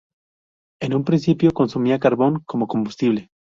En un principio, consumía carbón como combustible.